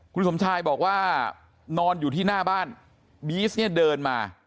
คุณสมชายบอกว่านอนอยู่ที่หน้าบ้านบีซเนี่ยเดินมา